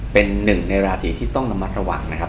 เป็นหนึ่งในราศีที่ต้องระมัดระวังนะครับ